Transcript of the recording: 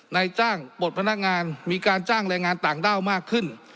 ในจ้างบทพนักงานมีการจ้างแรงงานต่างด้าวมากขึ้น